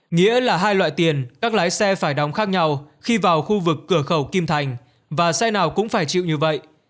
nghĩa là hai loại tiền các lái xe phải đóng khác nhau khi vào khu vực cửa khẩu kim thành và xe nào cũng phải chịu như vậy